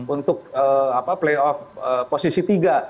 untuk playoff posisi tiga